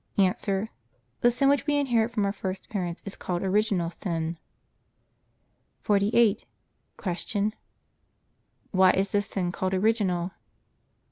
A. The sin which we inherit from our first parents is called original sin. 48. Q. Why is this sin called original?